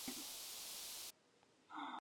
Ella cursó sus estudios en aquella ciudad.